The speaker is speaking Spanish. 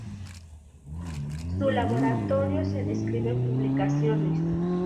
Su laboratorio se describe en publicaciones.